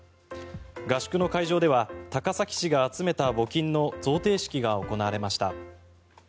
合宿の会場では高崎市が集めた募金の贈呈式が行われました。